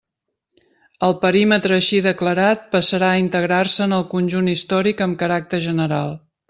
El perímetre així declarat passarà a integrar-se en el conjunt històric amb caràcter general.